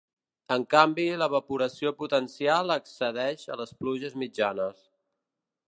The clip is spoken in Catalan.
En canvi l'evaporació potencial excedeix a les pluges mitjanes.